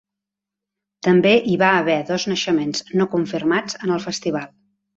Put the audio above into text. També hi va haver dos naixements no confirmats en el festival.